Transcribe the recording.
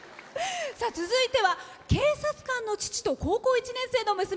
続いては警察官の父と高校１年生の娘。